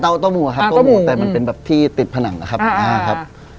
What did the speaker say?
เต้าหมู่ครับเต้าหมู่แต่มันเป็นแบบที่ติดผนังอะครับ